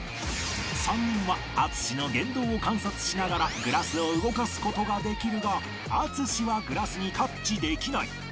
３人は淳の言動を観察しながらグラスを動かす事ができるが淳はグラスにタッチできない